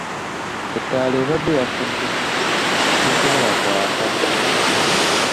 Ettaala ebadde yafudde, nga tesobola kwaka.